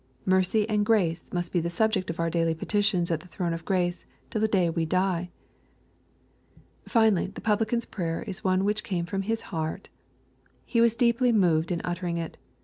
Mercy and grace must be the subject of our daily petitions at the throne of grace till the day we die. — ^Finally, the Publican's prayer was one which came from his heart He was deeply moved in uttering it.